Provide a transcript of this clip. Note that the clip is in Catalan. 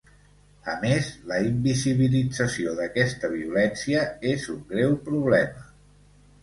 A més, la invisibilització d’aquesta violència és un greu problema.